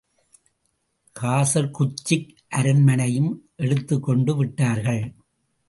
காசர்குச்சிக் அரண்மனையையும் எடுத்துக்கொண்டு விட்டார்கள்.